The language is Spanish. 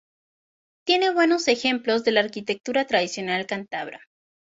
Tiene buenos ejemplos de la arquitectura tradicional cántabra.